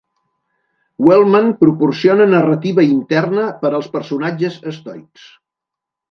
Wellman proporciona narrativa interna per als personatges estoics.